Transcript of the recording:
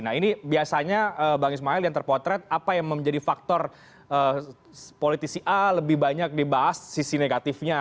nah ini biasanya bang ismail yang terpotret apa yang menjadi faktor politisi a lebih banyak dibahas sisi negatifnya